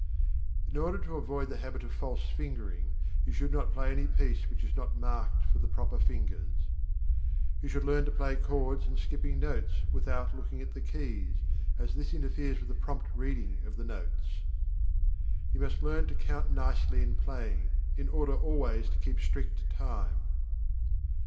In order to avoid the habit of false fingering, you should not play any piece which is not marked for the proper fingers. You should learn to play chords and skipping notes, without looking at the keys, as this interferes with a prompt reading of the notes. You must learn to count nicely in playing, in order always to keep strict time.